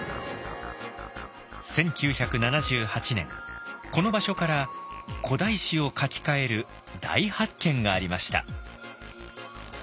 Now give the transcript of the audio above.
１９７８年この場所から古代史を書き換える大発見がありました。